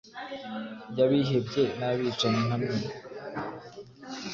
y'abihebye n'abicanyi nka mwe